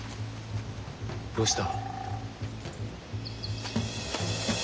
どうした？